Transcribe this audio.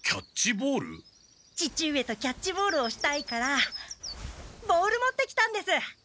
父上とキャッチボールをしたいからボール持ってきたんです。